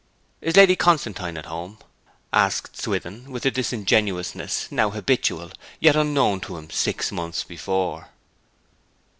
'Is Lady Constantine at home?' asked Swithin, with a disingenuousness now habitual, yet unknown to him six months before.